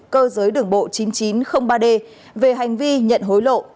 cơ giới đường bộ chín nghìn chín trăm linh ba d về hành vi nhận hối lộ